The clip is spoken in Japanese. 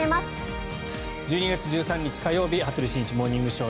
１２月１３日、火曜日「羽鳥慎一モーニングショー」。